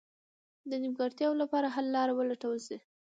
د نیمګړتیاوو لپاره حل لاره ولټول شي.